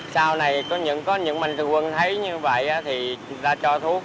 sau này có những manh thư quân thấy như vậy thì đã cho thuốc